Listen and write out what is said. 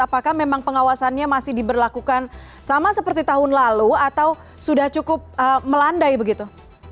apakah memang pengawasannya masih diberlakukan sama seperti tahun lalu atau sudah cukup melandai begitu